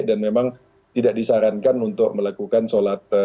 dan memang tidak disarankan untuk berhubungan dengan masjid masjid yang lain